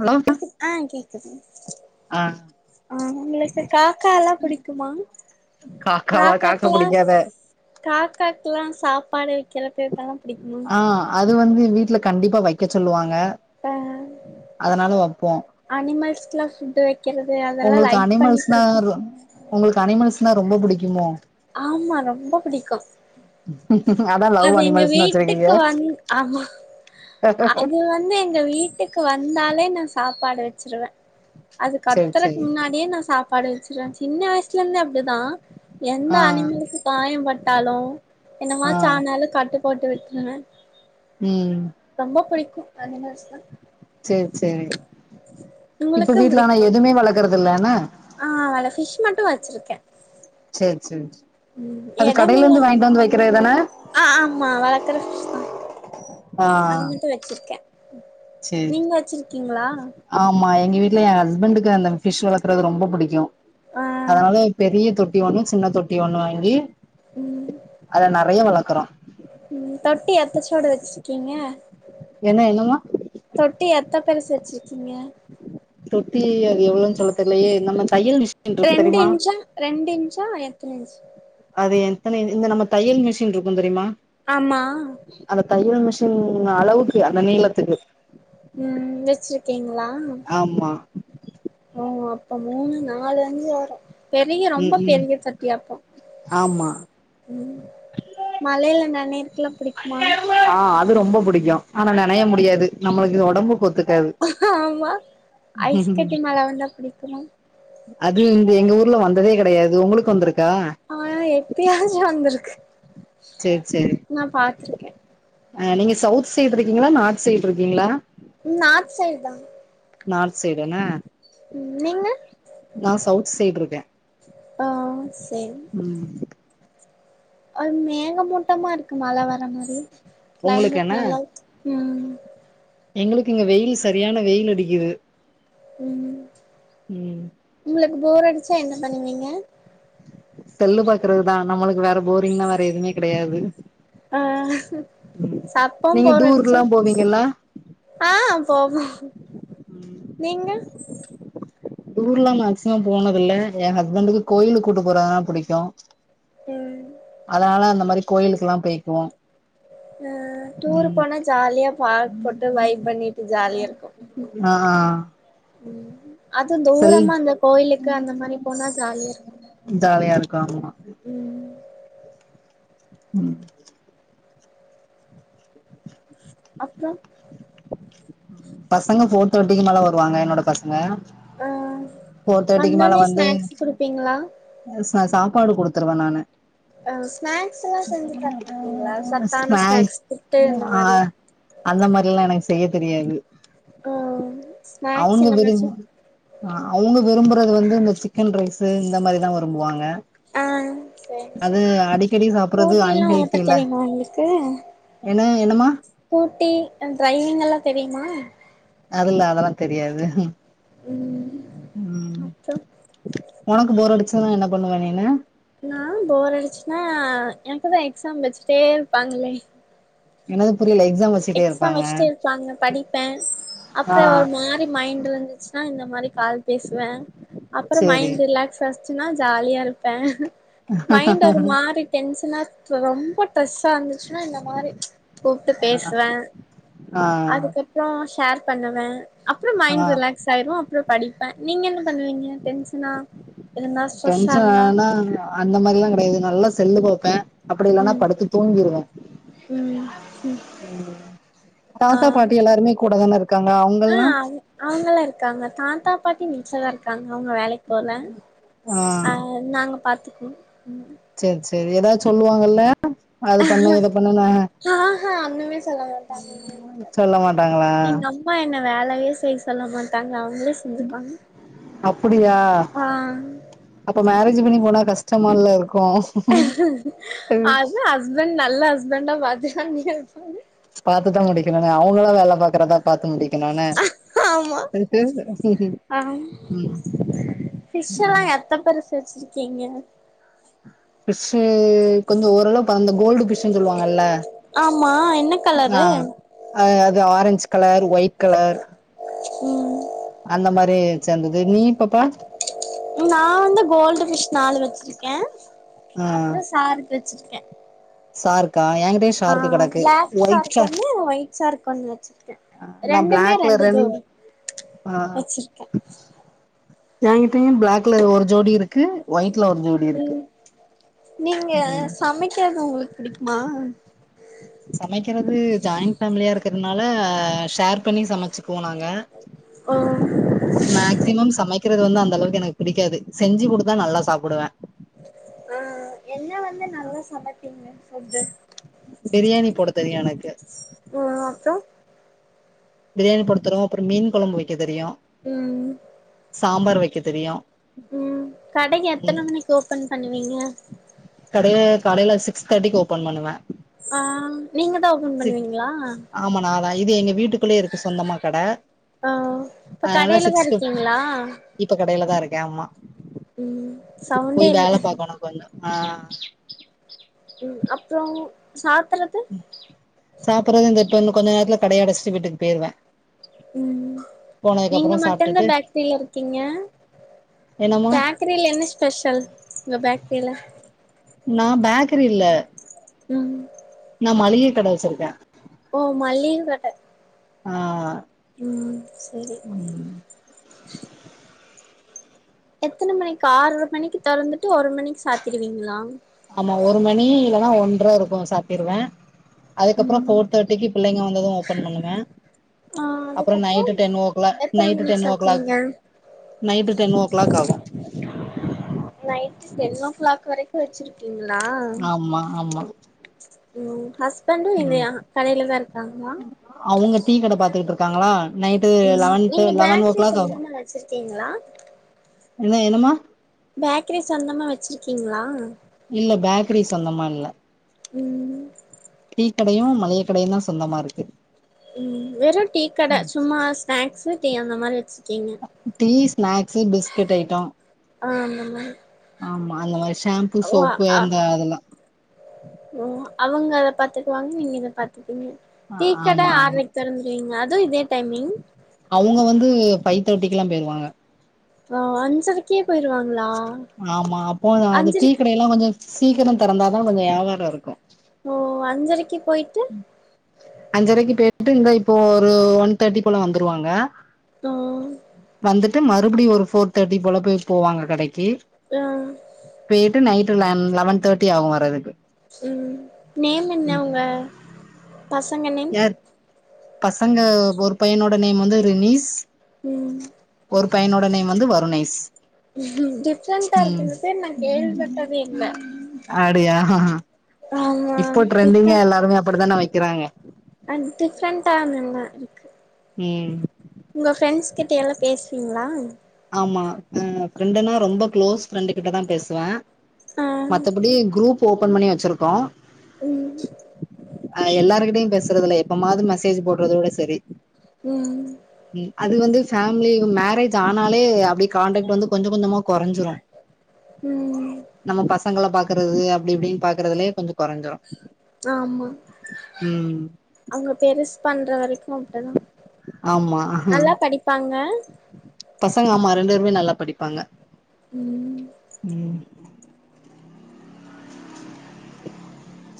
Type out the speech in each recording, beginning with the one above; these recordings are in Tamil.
ஹலோ கேக்கு ஆ கேக்குது ஆ ஆ உங்களுக்கு காக்கா எல்லா புடிக்குமா காக்காவா காக்கா காக்காக்கல்லா புடிக்காத காக்காக்கல்லா சாப்பாடு வக்கிறப்பதா ஆ அது வந்து வீட்ல கண்டிப்பா வைக்க சொல்லுவாங்க அதனால வப்போ அனிமல்ஸ்க்கல்லா ஃபுட் வக்கிறது அதெல்லா உங்களுக்கு லைக் பண்ணி அனிமல்ஸ்னா புடிக்கு உங்களுக்கு அனிமல்ஸ்னா ரொம்ப புடிக்குமோ ஆமா ரொம்ப புடிக்கு அதா அது லவ் இங்க அனிமல்ஸ்னு வச்சிருக்கீங்க வீட்டுக்கு வந் ஆமா அது வந்து எங்க வீட் வீட்டுக்கு வந்தாலே நா சாப்பாடு வச்சிருவே அது சேரி கத்துறதுக் சேரி முன்னாடியே நா சாப் பாடு வச்சுடுவ சின்ன வயசுலயிருந்தே அப்டிதா எந்த ஆ அனிமல்ஸ்க்கு காய பட்டாலு ஆ என்னமாச்சு ஆனாலு கட்டு போட்டு விட்ருவ ம் ரொம்ப புடிக்கு‌ அனிமல்ஸ்னா சேரி சேரி இப்ப உங்களுக்கு வீட்ல ஆனா புடிக்குமா எதுவுமே வளர்க்கறது இல்லதானா ஆ வலக்கல ஃபிஷ் மட்டு வச்சிருக்க சேரி சேரி அது கடையில எடமில்ல இருந்து வாங்கிட்டு வந்து வக்கறதுதான ஆ ஆமா வளக்கற ஃபிஷ் தா ஆ அது மட்டு வச்சிருக்கே சேரி நீங்க வச்சிருக்கீங்ளா ஆமா எங்க வீட்டுல எ ஹஸ்பண்டுக்கு அந்த பிஷ் வளக்குறது ரொம்ப பிடிக்கும் ஆ அதனால பெரிய தொட்டி ஒண்ணு சின்ன தொட்டி ஒண்ணு வாங்கி ம் அத நறைய வளக்குறோ ம் தொட்டி எத்தசோடு வச்சிருக்கீங்க என என்ன தொட்டி எத்த பெருசு வச்சிருக்கீங்க தொட்டி எவ்ளவோனு சொல்ல தெர்லயே நம்ம தையல் மிஷின் இருக்கு ரெண்டு தெரியுமா இஞ்சா ரெண்டு இஞ்சா எத்தன இஞ் அது எத்தன இஞ் நம்ம தையல் மிஷின் இருக்கும் தெரியுமா ஆமா அந்த தையல் மிஷன் அளவுக்கு அந்த நீளத்துக்கு ம் வச்சிருக்கீங்களா ஆமா ஓ அப்ப மூணு நாலு அஞ்சு வரும் பெரிய ம் ரொம்ப ம் பெரிய சட்டியாப்போ ஆமா ம் மழையில நனயறக்கெலாம் புடிக்மா ஆ அது ரொம்ப புடிக்கும் ஆனா நனைய முடியாது நம்மளுக்கு ஒடம்புக்கொத்துக் ஆமா ஐஸ் கட்டி மழ வந்தா பிடிக்குமா அது வந்து எங்க ஊர்ல வந்ததே கிடையாது உங்களுக்கு வந்திருக்கா ஆ எப்பயாச்சி வந்திருக்கு சேரி செரி நா பாத்திருக்கே ஹ நீங்க சவுத் சைடு இருக்கீங்களா நார்த் சைடு இருக்கீங்களா நார்த் சைடு தா நார்த் சைடு என்ன உம் நீங்க நான் சவுத் சைடு இருக்கேன் ஆஒ செரி ம் அது மேகமூட்டமா இருக்கு மழை வர மாரி உங்களுக்கு கிளைமேட் என்ன நல்லா உம் எங்களுக்கு இங்க வெயில் சரியான வெயில் அடிக்குது ம் ம் உங்களுக்கு போர் அடிச்சா என்ன பண்ணுவீங்க செல்லு பாக்குறதுதான் நம்மளுக்கு வேற போரிங்லாம் வேற எதுவுமே கிடையாது ஆஹ் சப்பம் நீங்க போறடிச்சா டூர்ல்லா போவீங்கல்ல ஆங் போவோ நீங்க டூர்லாம் மேக்சிமம் போனதில்ல என் ஹஸ்பண்டுக்கு கோயிலுக் கூட்டு போறதுனா புடிக்கும் ம் அதனால அந்த மாரி கோயிலுக்கெல்லாம் போய்க்குவோம் ம் டூர் போனா ஜாலியா பார் போட்டு லைப் பண்ணிட்டு ஜாலியா இருக்கும் ஆஹ் உம் அது தூரமா அந்த கோயிலுக்கு அந்த மாதிரி போனா ஜாலிய இருக் ஜாலியா இருக்கு ஆமா ம் ம் அப்றோ பசங்க ஃபோர் தேட்டிக்கு மேல வருவாங்க என்னோட பசங்க ஆ ஃபோர் தேட்டிக்கு மேல வந்தோனே வந்து ஸ்நாக்ஸ் குடுப்பீங்களா ஆ ஸ்நா சாப்பாடு குடுத்துருவ நானு ஆ ஸ்நாக்ஸ்லா செஞ்சு தர மாட்டீங்களா ஆ சத்தான ஸ்நாக்ஸ் புட்டு இந்த ஆ மாரி அந்த மாரில்லா எனக்கு செய்ய தெரியாது ஆ ஸ்நாக்ஸ் அவுங்க என்னமாச்சு விரும் ஆ அவுங்க விரும்புறது வந்து இந்த சிக்கன் ரைஸு இந்த மாரிதா விரும்புவாங்க ஆ சேரி அது சேரி அடிக்கடி சாப்புறது ஸ்கூட்டிலா ஓட்ட அன்ஹெல்த்தில தெரியுமா உங்களுக்கு என்ன என்னம்மா ஸ்கூட்டி ஆ ட்ரைவிங்கெல்லா தெரியுமா அதுல்ல அதெல்லா தெரியாது ம் ம் அப்றோ ஒனக்கு போர் அடிச்சா என்ன பண்ணுவே நீனு நா போர் அடிச்சுன்னா எனக்கு தா எக்ஸாம் வச்சிட்டே இருப்பாங்களே என்னது புரியல எக்ஸாம் வச் எக்ஸாம் வச்சுட்டு இருப்பாங்க படிப்ப ஆ அப்புற ஒரு மாரி மைண்ட் இருந்துச்சுன்னா இந்த மாரி கால் பேசுவ அப்புற சேரி மைண்ட் ரிலாக்ஸ் ஃபஸ்ட்டுனா ஜாலியா இருப்ப மைண்ட் ஒரு மாரி டென்ஷனா ரொம்ப ட்ரெஸ்ஸா இருந்துச்சுன்னா இந்த மாரி கூப்ட்டு பேசுவே ஆ அதுக்கப்பற ஷேர் பண்ணுவ அப்ற ஆ மைண்ட் ரிலாக்ஸ் ஆயிரு அப்ற படிப்ப நீங்க என்ன பண்ணுவீங்க டென்சனா டென்ஷன் ஆனா அந்த மாரி எல்லா கொடையாது நல்லா செல்லு பாப்ப அப்டி இல்லன்னா ம் படுத்து தூங்கிருவ ம் ம் ஆ தாத்தா பாட்டி எல்லாருமே கூட தானே இருக் காங்க அவுங் ஆ அவு அவுங்கல்லா இருக்காங்க தாத்தா பாட்டி மிஸ்‌ எல்லா இருக்காங்க அவுங்க வேலைக்கு போல ஆ நாங்க பாத்துக்கணு ம் சேர் செரி ஏதாது சொல்லுவாங்கல்ல அது பண்ணு இத பண்ணு நா ஆஹ அந்தமேரி சொல்ல மாட்டாங்க எங்க வீட்ல சொல்ல மாட்டாங்களா இன்னும் அம்மா என்ன வேலையே செய்ய சொல்ல மாட்டாங்க அவுங்களே செ அப்புடியா ஆ அப்ப மேரேஜ் பண்ணி போனா கஷ்டமால்ல இருக்கு அது ஹஸ்பண்ட் நல்ல ஹஸ்பண்டா பாத்து பண்ணி வப்பாங்க பாத்துதா முடிக்கணுங்க அவுங்களா வேல பாக்குறதா பாத்து முடிக்கணுன்ன ஆமா ஆ ம் ஃபிஷ் எல்லா எத்த பெருசு வச்சுருக்கீங்க ஃபிஷ்ஷு கொஞ்ச ஓரளவு இப்ப அந்த கோல்டு ஃபிஷ் னு சொல்லுவாங்கல்ல ஆமா என்ன ஆ கலரு ஆ அது ஆரஞ்ச் கலர் ஒயிட் கலர் ம் அந்த மாரி சேந்தது நீயு பாப்பா நா வந்து கோல்டு ஃபிஷ் நாலு வச்சுருக்கே ஆ அப்ற சார்க் வச்சுருக்கே ஷார்க்கா என்கிட்டயு ஆ ஷார்க்கு கெடக்கு பிளாக் ஒயிட் சார்க் ஷார் ஒன்னு ஒயிட் சார்க் ஒன்னு வச்சுருக்கே நா ரெண்டுமே பிளாக்ல ரெண்டு ரெண் ஜோடி வச்சுருக்கே ஏங்கிட்டயு பிளாக்ல ஒரு ஜோடி இருக்கு ஒயிட்ல ஒரு ஜோடி இருக்கு ம் நீங்க ம் சமைக்கறது உங்களுக்கு புடிக்குமா சமைக்கிறது ஜாயின் ஃபேமிலியா இருக்கறதுனால ஷேர் பண்ணி சமைச்சுக்குவோ நாங்க ஓ மேக்சிமம் சமைக்கிறது வந்து அந்த அளவுக்கு எனக்கு பிடிக்காது செஞ்சு குடுத்தா நல்லா சாப்பிடுவே ஆ என்ன வந்து நல்லா சமப்பீங்க ஃபுட்டு பிரியாணி போட தெரியு எனக்கு ம் அப்றோ பிரியாணி போட்டு தருவோ அப்றோ மீன் கொழம்பு வைக்க தெரியு ம் சாம்பார் வைக்க தெரியு ம் கடை ம் எத்தன மணிக் ஓபன் பண்ணுவீங்க கடைய காலைல சிக்ஸ் தேட்டிக்கு ஓபன் பண்ணுவே ஆ நீங் மட்டு ஓபன் சிக் பண்ணுவீங்களா ஆமா நா தா இது எங்க வீட்டுக்குள்ளயே இருக்கு சொந்தமா கட ஆ இப்ப அதனால கடையிலதா சிக்ஸ் ஃபிப் இருக்கீங்ளா இப்ப கடையில தா இருக்கே ஆமா ம் இப் சவுண்டே போய் இல்ல வேல பாக்கணு கொஞ்சோ ஆ ம் அப்றோ சாத்துறது சாப்பிறது இந்த இப்ப இன்னு கொஞ்ச நேரத்துல கடைய அடச்ட்டு வீட்டுக்கு போயிருவே ம் போனதுக்கு நீங்க அப்புறோ மட்டுந்தா சாப்ட்டுட்டு பேக்ட்ரில இருக்கீங்க என்னமா பேக்ரில என்ன ஸ்பெஷல் உங்க பேக்ரில நா பேக்ரி இல்ல ம் நா மளிக கட வச்சுருக்கே ஓ மல்லிக கட ஆ ம் சரி ம் எத்தன மணிக் ஆறு மணிக்கு தொறந்துட்டு ஒரு மணிக் சாத்திடுவீங்களா ஆமா ஒரு மணி இல்லன்னா ஒன்ற இருக்கு சாத்திருவே அதுக்கப்றோ ம் போர் தேர்ட்டிக்கு பிள்ளைங்க வந்தது ஓபன் பண்ணுவே ஆ அப்றோ அதுக்கப்றோ நைட்டு டென் ஓ க்ளா எத்தன நைட்டு மணிக்கு டென் ஓ க்ளாக் சாத்துவீங்க நைட்டு டென் ஓ கிளாக் ஆகு நைட்டு டென் ஓ கிளாக் வரைக்கு வச்சிருப்பீங்ளா ஆமா ஆமா ஓ ஹஸ்பண்டு இதயா கடைல தா இருக்காங்களா அவுங்க டீ கட பாத்துட் இருக்காங்களா நைட்டு ம் லெவன்டு நீங்க லெவன் ஓ பேக்கரி கிளாக் ஆகு சொந்தமா வச்சிருக்கீங்களா என்ன என்னமா பேக்கிரி சொந்தமா வச்சிருக்கீங்ளா இல்ல பேக்கிரி சொந்தமா இல்ல ம் டீ கடையு மளிகை கடையு தா சொந்தமா இருக்கு ம் வெறு டீ கட சும்மா ஸ்நாக்ஸ் டீ அந்த மாரி வச்சு டீ ஸ்நாக்ஸ் பிஸ்கட் ஐட்டோ ஆ அந்த மாரி ஆமா அந்த மாரி ஷேம்பு ஓ சோப்பு ஆ அந்த அதல்லா ஓ அவங்க அத பாத்துக்குவாங்க நீங்க இத பாத்துப்பீங்க டீ கட ஆமா ஆமா ஆற்ரைக்கு தொறந்து வீங்க அதுவு இதே டைமிங் அவுங்க வந்து ஃபைவ் தேர்ட்டிக்குல்லா போயிருவாங்க ஆ அஞ்சரை கே போய்ருவாங்களா ஆமா அப்போ அது டீ கடையெல்லா கொஞ்ச சீக்கிர தொறந்தாதா கொஞ்ச யாவாறோ இருக்கு ஓ அஞ்சரைக்கி போய்ட்டு அஞ்சரைக்கி போய்ட்டு இந்தா இப்போ ஒரு ஒன் தேர்ட்டி போல வந்துருவாங்க ம் ட்டு மறுபடியு ஒரு ஃபோர் தேர்ட்டி போல பேய் போவாங்க கடைக்கி ஆ பேய்ட்டு நைட் ல லெவன் தேர்ட்டி ஆகு வரதுக்கு ம் நேம் என்ன உங்க பசங்க நேம் யார் பசங்க ஒரு பையனோட நேம் வந்து ரினீஸ் ம் ஒரு பையனோட நேம் வந்து வருணேஸ் டிஃப்ரெண்டா இருக்கு இந்த பேர் நா கேள்விப்பட்டதே இல்ல அப்டியா ஆமா இப்போ ட்ரெண்டிங்கா எல்லாருமே அப்டித்தான வைக்கிறாங்க அது டிஃப்ரெண்ட்டா தான இருக்கு ம் உங்க ஃப்ரெண்ட்ஸ் கிட்ட எல்லா பேசுவீங்களா ஆமா ஆ ஃப்ரெண்டுனா ரொம்ப க்ளோஸ் ஃப்ரெண்டு கிட்ட தா பேசுவ ஆ மத்தபடி குரூப் ஓபன் பண்ணி வச்சிருக்கோ ம் அ எல்லாருகிட்டயு பேசுறதுல்ல எப்பமாது மெசேஜ் போட்றதோட செரி ம் ம் அது வந்து ஃபேமிலி மேரேஜ் ஆ னாலே அப்டியே கான்ட்ராக்ட் வந்து கொஞ்ச கொஞ்சமா கொறைஞ்சிடு ம் நம்ம பசங்கள பாக்குறது அப்டி இப்டின்னு பாக்குறதுலயே கொஞ்ச கொறைஞ்சுரு ஆமா அவ்ங்க பெருசு பண்ற வரைக் கு அப்டிதா ஆமா நல்லா படிப்பாங்க பசங்க ஆமா ரெண்டு பேர்மே நல்லா படிப்பாங்க ம் ம்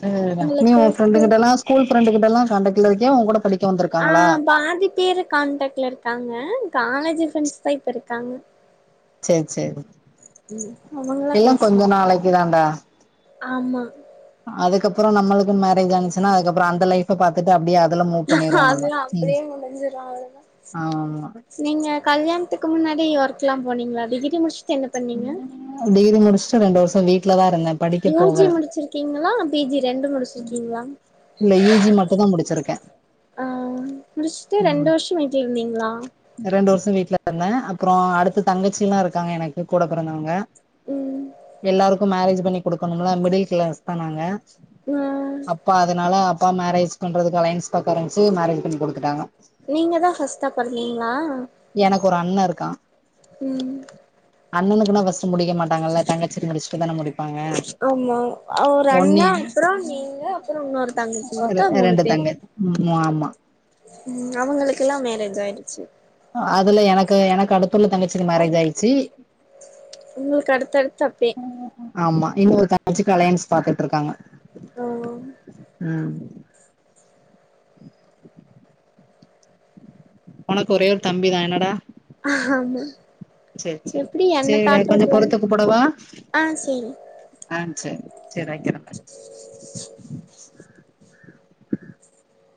செரிடா நீ உங்களுக்கு உங்க பு ஃப்ரெண்டு கிட்டல்லா ஸ்கூல் ஃப்ரெண்டு கிட்டல்லா காண்டாக்ட்ல இருக்கியா ஒங்கூட படிக் ஆ பாதி பேரு கான்டக்ட்ல இருக்காங்க காலேஜ்ஜி ஃப்ரெண்ட்ஸ்ஸு தா இப்ப இருக்காங்க செரி செரி அவங்களா எல்லா கொஞ்ச பேசுவாங்க நாளைக்கி தான்டா ஆமா அதுக்கப்புற நம்மளுக்குக்கு மேரேஜ் ஆனுச்சுனா அதுக்கப்பறோ அந்த லை ஃப பாத்துட்டு அப்டியே அதுல மூவ் பண்ணிருவோ அதுவு நம்ம ம் அப்டியே முடிஞ்சிரு அவ்ளோதா ஆமா நீங்க கல்யாணத்துக்கு முன்னாடி ஒர்க்கெல்லா போனீங்களா டிகிரி முடிச்சுட்டு என்ன பண்ணீங்க டிகிரி முடிச்சுட்டு ரெண்டு வர்ஷோ வீட்ல தா இருந்தே படிக்க யூ ஜி போகல முடிச்சிருக்கீங்களா பி ஜி ரெண்டு முடிச்சிருக்கீங்களா இல்ல யூ ஜி மட்டுந்தா முடிச்சிருக்கே ஆ முடிச்சுட்டு ரெண்டு ம் வர்ஷ வீட்ல இருந்தீங்களா ரெண்டு வர்ஷ வீட்டுல இருந்த அப்பறோ அடுத்து தங்கச்சி எல்லா இருக்காங்க எனக்கு கூட பொறந்தவங்க ம் எல்லாருக்கு மேரேஜ்ஜி பண்ணி குடுக்கணும்ள மிடில் க்ளாஸ் தா நாங்க ம் அப்பா அதனால அப்பா மேரேஜ் பண்றதுக்கு அலையன்ஸ் பாக்க ஆரமிச்சு மேரேஜ் பண்ணி குடுத்துட்டாங்க நீங்க தா ஃபஸ்டா பொறந்தீங்ளா எனக்கு ஒரு அண்ண இருக்கா ம் அண்ணணுக்கு தா ஃபஸ்ட் முடிக்க மா ட்டாங்கள்ள தங்கச்சி முடிச்சிட்டு தான முடிப்பாங்க ஆமா ஒரு ஒன்னி அண்ணா அப்றோ நீங்க அப்புற உன்னொரு தங்கச்சி மொத்த மூணு ரெண்டு பேரு தங்க ம் ஆமா ம் அவுங்களுக்கெல்லா மேரேஜ் ஆயிற்ச்சி அதுல எனக்கு எனக்கு அடுத்துல்ல தங்கச்சிக்கு மேரேஜ் ஆயிட்ச்சி உங்களுக்கு அடுத்த அடுத்த அப்பே ஆமா இன்னொரு தங்கச்சிக்கு அளையன்ஸ் பாத்துட்ருக்காங்க ம் உனக்கு ஒரே ஒரு தம்பி தா என்னடா ஆமா செரி செரி எப்டி என்ன செரிடா கொஞ்ச தாட்றக்குதான பொறுத்து கூப்டவா ஆ சேரி ஆ சேரி சேர் வை